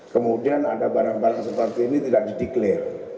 kemudian ada barang barang seperti ini tidak dideklarasi